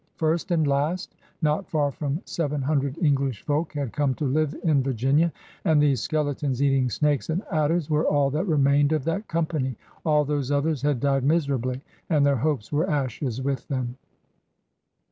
First and last, not far from seven hundred English folk had eome to live in Virginia. And these skeletons eating snakes and adders were all that remained of that company; all those others had died miserably and their hopes were ashes with them.